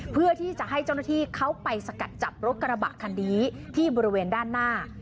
เพื่อที่จะให้เจ้าหน้าที่เขาไปสกัดจับรถกระบะคันนี้ที่บริเวณด้านหน้า